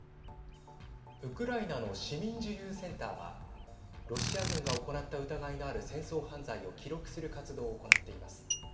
ウクライナの市民自由センターはロシア軍が行った疑いのある戦争犯罪を記録する活動を行っています。